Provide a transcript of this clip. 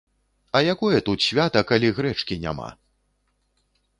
А якое тут свята, калі грэчкі няма?